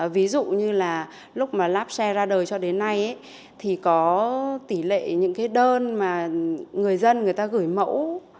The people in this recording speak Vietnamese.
ví dụ như là lúc mà napse ra đời cho đến nay thì có tỷ lệ những cái đơn mà người dân người ta gửi mẫu